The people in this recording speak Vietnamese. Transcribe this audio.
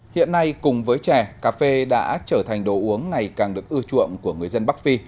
hiện nay cùng với chè cà phê đã trở thành đồ uống ngày càng được ưa chuộng của người dân bắc phi